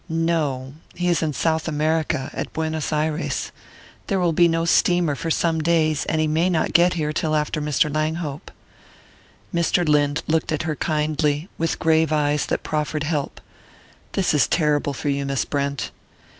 "No. He is in South America at Buenos Ayres. There will be no steamer for some days, and he may not get here till after Mr. Langhope." Mr. Lynde looked at her kindly, with grave eyes that proffered help. "This is terrible for you, Miss Brent."